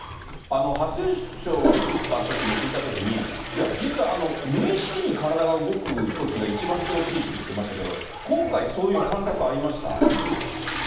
初優勝したときに聞いたときに、いや、実は無意識に体が動くときが一番調子いいって言ってましたけど、今回、そういう感覚はありました？